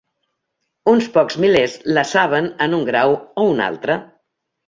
Uns pocs milers la saben en un grau o un altre.